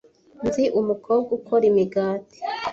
Nzi umukobwa ukora imigati.